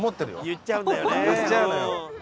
言っちゃうのよ。